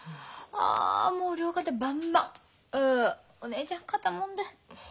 あお姉ちゃん肩もんで。